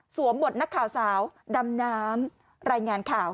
บทนักข่าวสาวดำน้ำรายงานข่าว